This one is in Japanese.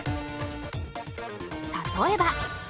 例えば。